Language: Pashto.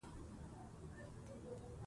لوستې میندې د ماشوم غاښونو ته پام کوي.